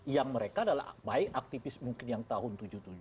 yang mereka adalah baik aktivis mungkin yang tahun seribu sembilan ratus tujuh puluh tujuh